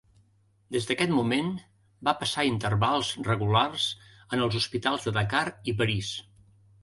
Des d'aquest moment va passar intervals regulars en els hospitals de Dakar i París.